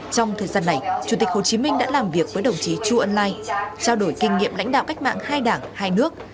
trong thời gian này chủ tịch hồ chí minh đã làm việc với đồng chí chu ân lai trao đổi kinh nghiệm lãnh đạo cách mạng hai đảng hai nước